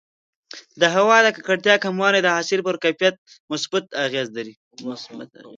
د هوا د ککړتیا کموالی د حاصل پر کیفیت مثبت اغېز لري.